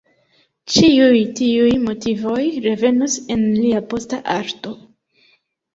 Ĉiuj tiuj motivoj revenos en lia posta arto.